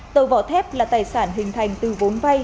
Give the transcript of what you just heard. tàu vỏ thép là tài sản hình thành từ vốn vay